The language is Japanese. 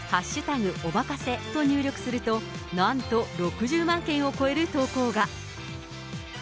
おまかせと入力すると、なんと６０万件を超える投稿が。